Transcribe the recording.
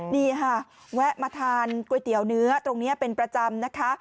นี่ค่ะแวะมาทานก๋วยเตี๋ยวเนื้อตรงนี้เป็นประจำนะคะ